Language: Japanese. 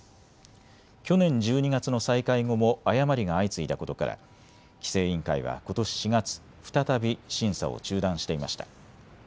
去年１２月の再開後も誤りが相次いだことから規制委員会はことし４月、再び審査を中断していました。